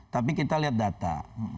tapi kita lihat data